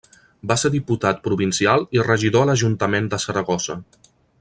Va ser diputat provincial i regidor a l'Ajuntament de Saragossa.